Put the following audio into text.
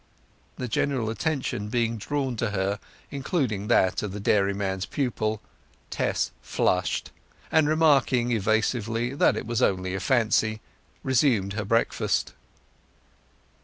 The general attention being drawn to her, including that of the dairyman's pupil, Tess flushed, and remarking evasively that it was only a fancy, resumed her breakfast.